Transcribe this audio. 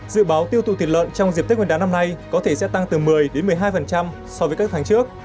dự báo tiêu thụ thiệt lợn trong dịp thức nguyên đá năm nay có thể sẽ tăng từ một mươi một mươi hai so với các tháng trước